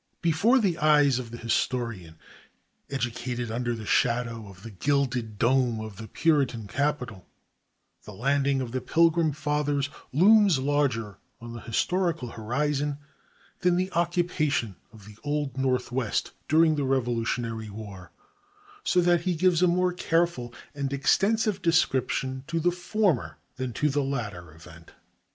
Before the eyes of the historian educated under the shadow of the gilded dome of the Puritan Capitol, the landing of the Pilgrim Fathers looms larger on the historical horizon than the occupation of the Old Northwest during the Revolutionary War, so that he gives a more careful and extensive description to the former than to the latter event.